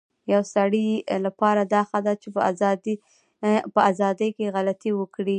يو سړي لپاره دا ښه ده چي په ازادی کي غلطي وکړی